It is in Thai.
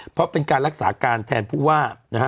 เพราะเป็นแรกษาการแทนผู้ว่า